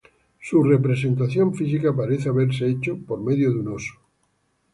Su representación física parece haberse hecho por medio de un oso.